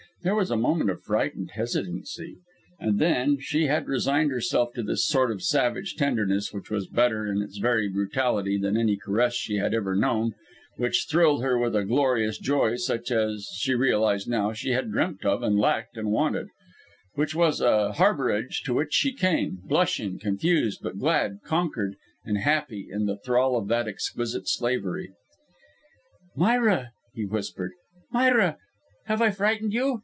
There was a moment of frightened hesitancy ... and then she had resigned herself to this sort of savage tenderness which was better in its very brutality than any caress she had ever known, which thrilled her with a glorious joy such as, she realised now, she had dreamt of and lacked, and wanted; which was a harbourage to which she came, blushing, confused but glad, conquered, and happy in the thrall of that exquisite slavery. "Myra," he whispered, "Myra! have I frightened you?